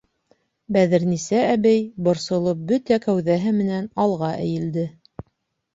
Бәҙерниса әбей, борсолоп, бөтә кәүҙәһе менән алға эйелде.